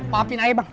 maafin ayah bang